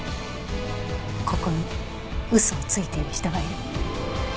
ここに嘘をついている人がいる。